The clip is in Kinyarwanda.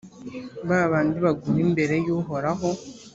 ba bandi baguma imbere y’uhoraho.